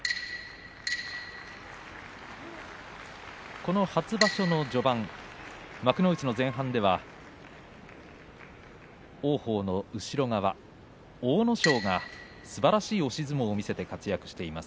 この初場所の序盤幕内前半では王鵬の後ろ側、阿武咲がすばらしい押し相撲を見せて活躍しています。